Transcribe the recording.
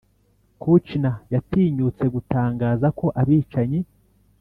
kouchner yatinyutse gutangaza, ko abicanyi